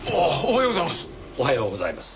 おおはようございます。